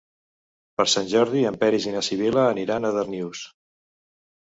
Per Sant Jordi en Peris i na Sibil·la aniran a Darnius.